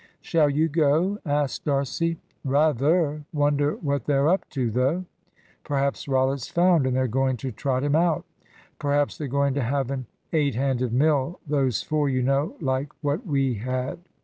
"Shall you go?" asked D'Arcy. "Rather! Wonder what they're up to, though?" "Perhaps Rollitt's found, and they're going to trot him out." "Perhaps they're going to have an eight handed mill, those four you know like what we had."